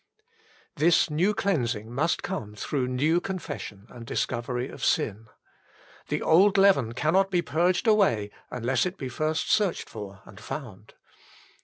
This new cleansing must come through new confession and discovery of sin. The old leaven cannot be purged away unless it be first searched for and found.